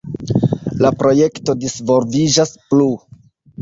La projekto disvolviĝas plu.